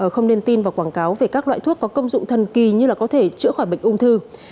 không nên tin và quảng cáo về các loại thuốc có công dụng thần kỳ như có thể chữa khỏi bệnh ung thư